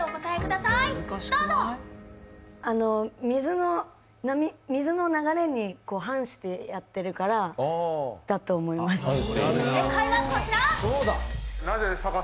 水の流れに反してやっているからだと思います。